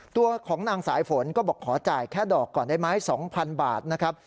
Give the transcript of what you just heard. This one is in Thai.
ตัวของนางสายฝนก็บอกขอจ่ายแค่ดอกก่อนได้ไหม๒๐๐บาทนะครับ